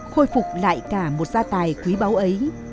khôi phục lại cả một gia tài quý báu ấy